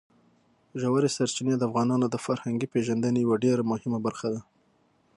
ژورې سرچینې د افغانانو د فرهنګي پیژندنې یوه ډېره مهمه برخه ده.